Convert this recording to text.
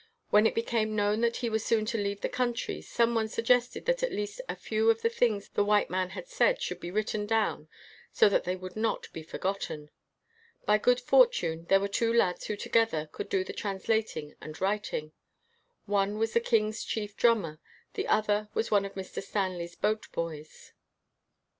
When it became known that he was soon to leave the country, some one suggested that at least a few of the things the white man had said should be written down so that they would not be forgotten. By good fortune there were two lads who together could do the translating and writ 14 INTERVIEW WITH A BLACK KING ing; one was the king's chief drummer, the other was one of Mr. Stanley's boat boys.